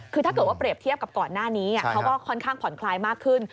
คือถ้าเกิดว่าเปรียบเทียบกับก่อนหน้านี้เขาก็ค่อนข้างผ่อนคลายมากขึ้น